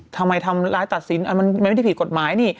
ทำร้ายตัดสินมันไม่ได้ผิดกฎหมายนี่